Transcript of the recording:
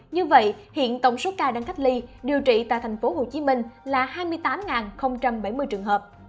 như vậy hiện tổng số ca đang cách ly điều trị tại tp hcm là hai mươi tám bảy mươi trường hợp